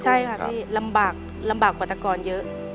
ใช่ค่ะที่ลำบากกว่าแต่ก่อนเยอะ